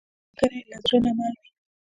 ملګری له زړه نه مل وي